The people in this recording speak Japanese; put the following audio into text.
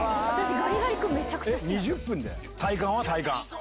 ガリガリ君めちゃくちゃ好きで。